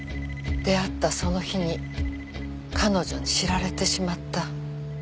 出会ったその日に彼女に知られてしまった。